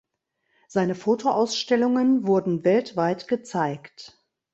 Seine Fotoausstellungen wurden weltweit gezeigt.